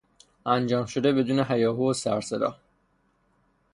انجام شده بدون هیاهو و سروصدا